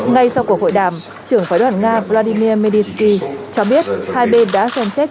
ngay sau cuộc hội đàm trưởng phái đoàn nga vladimir medisky cho biết hai bên đã xem xét